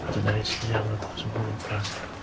atau dari siang atau sempurna